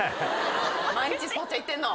毎日スポッチャ行ってんの。